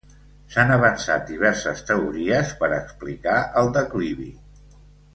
S'han avançat diverses teories per explicar el declivi.